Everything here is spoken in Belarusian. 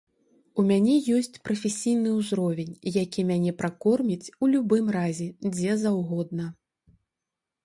У мяне ёсць прафесійны ўзровень, які мяне пракорміць у любым разе дзе заўгодна.